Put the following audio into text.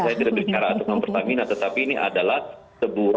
saya tidak berbicara tentang pertamina tetapi ini adalah sebuah